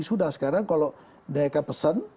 sudah sekarang kalau mereka pesan